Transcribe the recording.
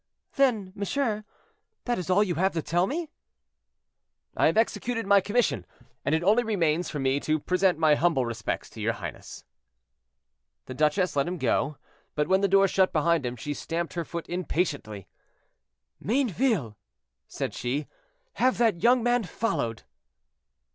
"Then, monsieur, that is all you have to tell me?" asked the duchess. "I have executed my commission, and it only remains for me to present my humble respects to your highness." The duchess let him go, but when the door shut behind him, she stamped her foot impatiently. "Mayneville," said she, "have that young man followed."